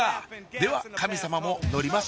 ではカミ様も乗ります